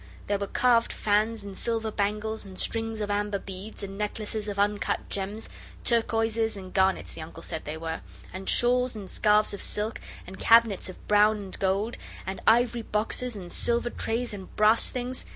There were carved fans and silver bangles and strings of amber beads, and necklaces of uncut gems turquoises and garnets, the Uncle said they were and shawls and scarves of silk, and cabinets of brown and gold, and ivory boxes and silver trays, and brass things.